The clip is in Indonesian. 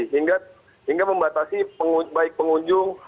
hingga membatasi baik pengunjung